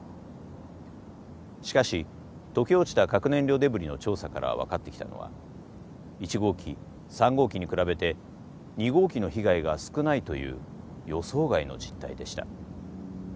しかし溶け落ちた核燃料デブリの調査から分かってきたのは１号機３号機に比べて２号機の被害が少ないという予想外の実態でした。